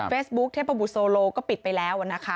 เฟซบุ๊กเทพบุตรโซโลก็ปิดไปแล้วนะคะ